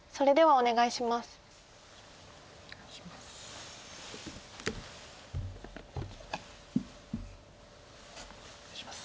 お願いします。